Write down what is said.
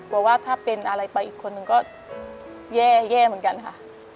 ว่าถ้าเป็นอะไรไปอีกคนนึงก็แย่เหมือนกันค่ะ